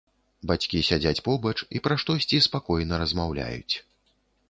Бацькі сядзяць побач і пра штосьці спакойна размаўляюць.